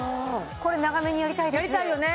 これ長めにやりたいですやりたいよね